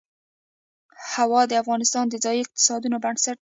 هوا د افغانستان د ځایي اقتصادونو بنسټ دی.